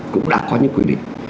cũng đã có những quy định